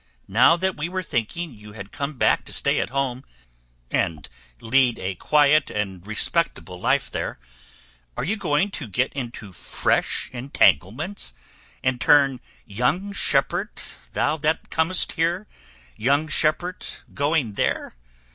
Now that we were thinking you had come back to stay at home and lead a quiet respectable life there, are you going to get into fresh entanglements, and turn 'young shepherd, thou that comest here, young shepherd going there?